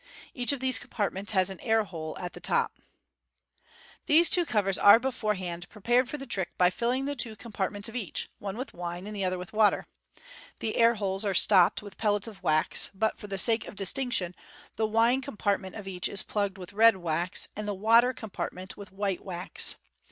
Each of these compartments has an air hole at the top. (See Fig. 209.) These two covers are beforehand prepared for the trick by filling the two compartments of each, one with wine and the other with water. The air holes are stopped with pellets of wax, but for the sake of distinction the " wine " compartment of each is plugged wiih red wax, and the " water " compartment with white wax.